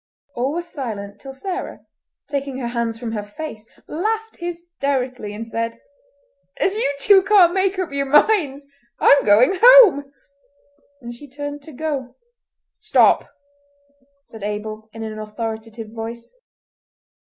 All were silent till Sarah, taking her hands from her face laughed hysterically and said: "As you two can't make up your minds, I'm going home!" and she turned to go. "Stop," said Abel, in an authoritative voice.